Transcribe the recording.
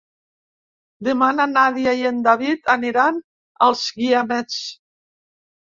Demà na Nàdia i en David aniran als Guiamets.